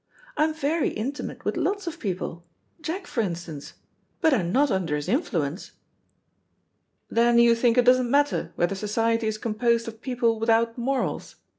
"I'm very intimate with lots of people. Jack, for instance, but I'm not under his influence." "Then you think it doesn't matter whether society is composed of people without morals?"